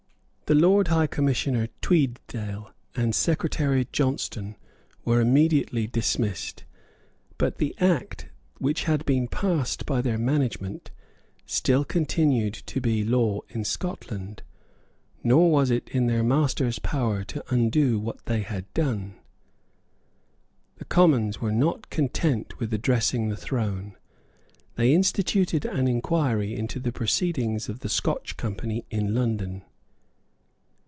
The Lord High Commissioner Tweeddale and Secretary Johnstone were immediately dismissed. But the Act which had been passed by their management still continued to be law in Scotland, nor was it in their master's power to undo what they had done. The Commons were not content with addressing the throne. They instituted an inquiry into the proceedings of the Scotch Company in London.